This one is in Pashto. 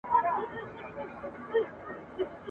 لیري یې بوتلمه تر کوره ساه مي ودرېده ..